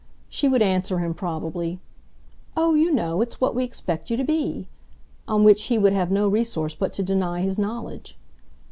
She would answer him probably: "Oh, you know, it's what we expect you to be!" on which he would have no resource but to deny his knowledge.